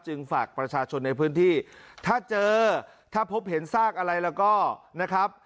ฝากประชาชนในพื้นที่ถ้าเจอถ้าพบเห็นซากอะไรแล้วก็นะครับ